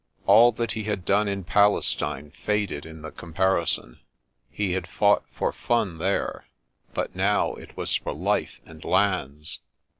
All that he had done in Palestine faded in the comparison ; he had fought for fun there, but now it was for life and lands.